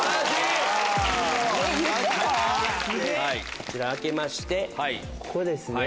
こちら開けましてここですね。